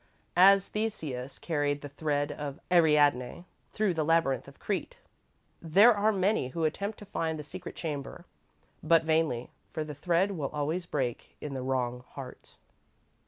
As Theseus carried the thread of Ariadne through the labyrinth of Crete, there are many who attempt to find the secret chamber, but vainly, for the thread will always break in the wrong heart.